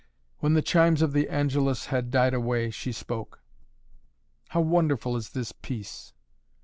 When the chimes of the Angelus had died away, she spoke. "How wonderful is this peace!"